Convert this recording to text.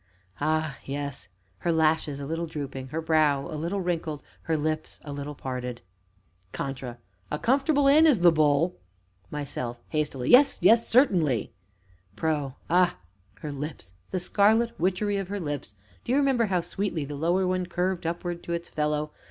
Ah, yes! her lashes a little drooping, her brows a little wrinkled, her lips a little parted. CONTRA. A comfortable inn is "The Bull." MYSELF (hastily). Yes, yes certainly. PRO. Ah! her lips the scarlet witchery of her lips! Do you remember how sweetly the lower one curved upward to its fellow?